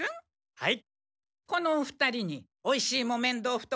はい！